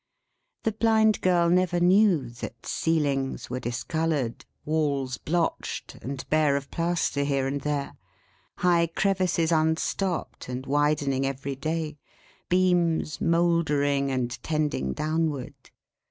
The Blind Girl never knew that ceilings were discoloured; walls blotched, and bare of plaster here and there; high crevices unstopped, and widening every day; beams mouldering and tending downward.